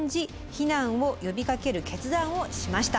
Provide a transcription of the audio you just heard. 避難を呼びかける決断をしました。